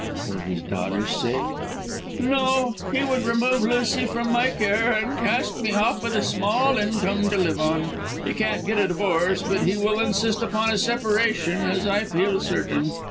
"For his daughter's sake?" "No. He would remove Lucy from my care and cast me off with a small income to live on. He can't get a divorce, but he will insist upon a separation, as I feel certain.